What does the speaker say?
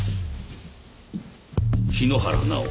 桧原奈緒。